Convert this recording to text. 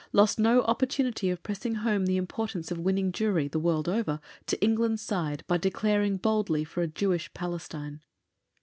lost no opportunity of pressing home the importance of winning Jewry, the world over, to England's side, by declaring boldly for a Jewish Palestine.